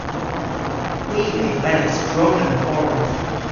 Hwi re welas droglam fordh.